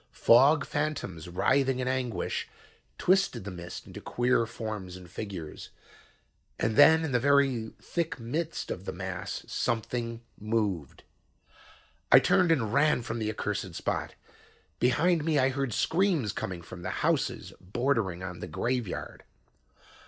"'Fog phantoms, writhing in anguish, twisted the mist into queer forms and figures. And then, in the very thick midst of the mass, something moved. "'I turned and ran from the accursed spot. Behind me I heard screams coming from the houses bordering on the graveyard.'